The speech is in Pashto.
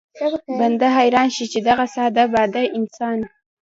بنده حيران شي چې دغه ساده باده انسان